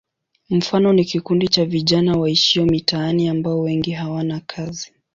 Mfano ni kikundi cha vijana waishio mitaani ambao wengi hawana kazi.